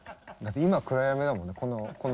今暗闇だもんねこの。